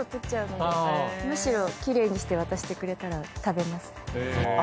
むしろ奇麗にして渡してくれたら食べます。